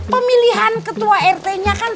pemilihan ketua rt nya kan